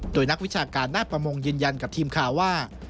โดยนักวิชาการหน้าประมงยืนยันกับทีมข่าวว่า